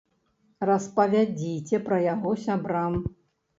Распавядзіце пра яго сябрам!